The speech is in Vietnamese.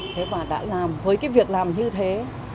thế và đã làm với cái việc làm như thế